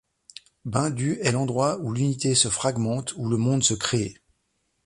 Bindu est l'endroit où l'unité se fragmente, où le monde se crée.